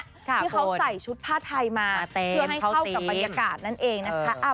ที่เขาใส่ชุดผ้าไทยมาเพื่อให้เข้ากับบรรยากาศนั่นเองนะคะ